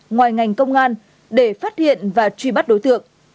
ngoài ngành công an để phát hiện và truy bắt đối tượng